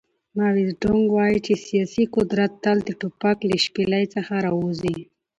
ماو زیډونګ وایي چې سیاسي قدرت تل د ټوپک له شپېلۍ څخه راوځي.